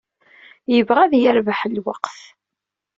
Yebɣa ad d-yerbeḥ lweqt.